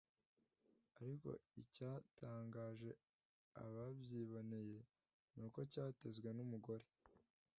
ariko icyatangaje ababyiboneye ni uko cyatezwe n’umugore